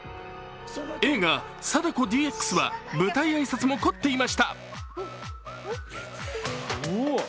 映画「貞子ＤＸ」は舞台挨拶も凝っていました。